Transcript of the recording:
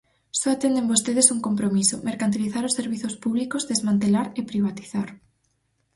Só atenden vostedes un compromiso: mercantilizar os servizos públicos, desmantelar e privatizar.